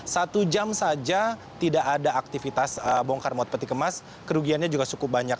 satu jam saja tidak ada aktivitas bongkar muat peti kemas kerugiannya juga cukup banyak